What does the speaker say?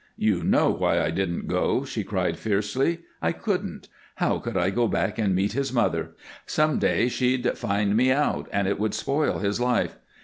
"You know why I didn't go," she cried, fiercely. "I couldn't. How could I go back and meet his mother? Some day she'd find me out and it would spoil his life.